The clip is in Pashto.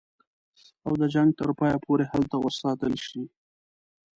او د جنګ تر پایه پوري هلته وساتل شي.